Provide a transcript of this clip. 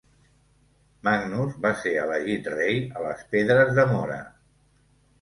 Magnus va ser elegit rei a les Pedres de Mora.